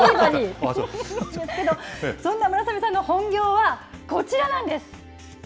そんな村雨さんの本業はこちらなんです。